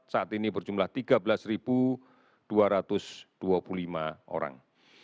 saat ini berjumlah tiga belas dua ratus dua puluh lima orang